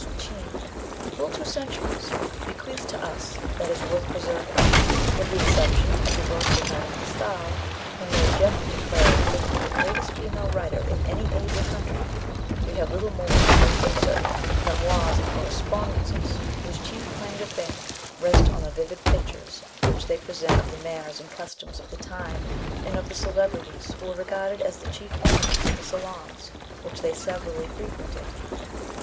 Swetchine full two centuries bequeathed to us that is worth preserving? With the exception of the works of Mme. de Staël, whom Lord Jeffrey declared to be "the greatest female writer in any age or country," we have little more than certain Mémoires and Correspondances whose chief claims to fame rest on the vivid pictures which they present of the manners and customs of the time and of the celebrities who were regarded as the chief ornaments of the salons which they severally frequented.